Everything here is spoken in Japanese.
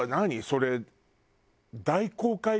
それ。